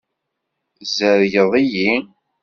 Tzerrgeḍ-iyi.